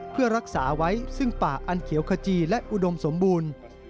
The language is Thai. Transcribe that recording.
เพื่อรักษาไว้ซึ่งป่าอันเขียวขจีและอุดมสมบูรณ์